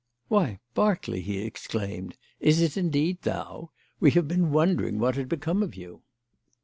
"Why, Berkeley!" he exclaimed, "is it indeed thou? We have been wondering what had become of you."